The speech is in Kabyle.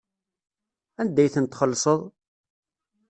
Anda ay tent-txellṣeḍ?